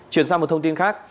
chuyển sang một thông tin khác